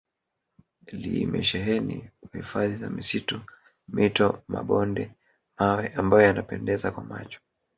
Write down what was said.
limesheheni hifadhi za misitu mito mabonde mawe ambayo yanapendeza kwa macho